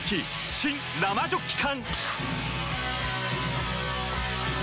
新・生ジョッキ缶！